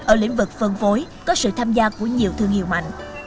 ở lĩnh vực phân phối có sự tham gia của nhiều thương hiệu mạnh